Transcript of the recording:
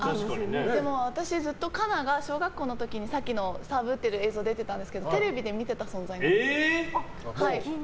私ずっと、加奈が小学校の時にさっき、サーブを打ってる映像出てたんですけどテレビで見てた存在なんです。